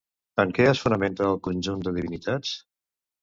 En què es fonamenta el conjunt de divinitats?